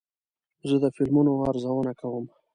زه د فلمونو ارزونه کوم.